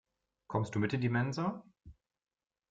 Kommst du mit in die Mensa?